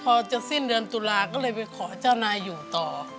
พอจะสิ้นเดือนตุลาก็เลยไปขอเจ้านายอยู่ต่อ